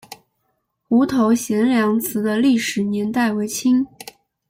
湖头贤良祠的历史年代为清。